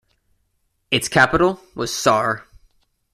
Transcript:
Its capital was Sarh.